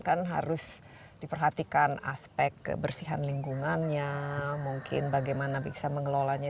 kan harus diperhatikan aspek kebersihan lingkungannya mungkin bagaimana bisa mengelolanya